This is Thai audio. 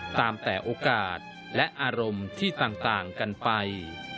ตามแต่โอกาสและอารมณ์ที่ต่างกันไป